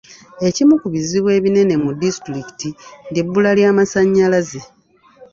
Ekimu ku bizibu ebinene mu disitulikiti ly'ebbula ly'amasannyalaze.